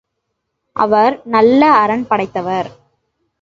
அவர் நல்ல அரண் படைத்தவர்.